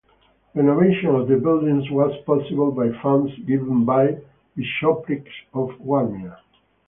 Renovation of the buildings was possible by funds given by Bishopric of Warmia.